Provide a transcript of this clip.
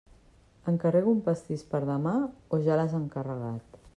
Encarrego un pastís per demà o ja l'has encarregat?